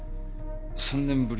３年ぶり。